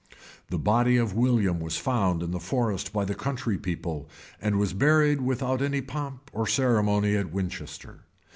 The body of William was found in the forest by the country people, and was buried without any pomp or ceremony at Winchester.